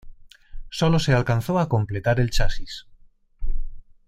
Sólo se alcanzó a completar el chasis.